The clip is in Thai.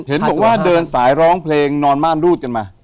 เห็นบอกว่าเดินสายร้องเพลงนอนม่านรูดกันมา